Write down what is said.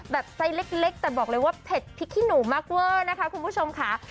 ไซส์เล็กแต่บอกเลยว่าเผ็ดพริกขี้หนูมากเวอร์นะคะคุณผู้ชมค่ะ